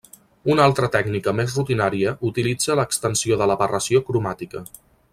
Una altra tècnica més rutinària utilitza l'extensió de l'aberració cromàtica.